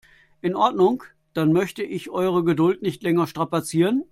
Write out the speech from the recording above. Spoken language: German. In Ordnung, dann möchte ich eure Geduld nicht länger strapazieren.